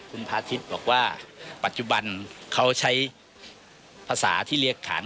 คุณพาทิศบอกว่าปัจจุบันเขาใช้ภาษาที่เรียกขาน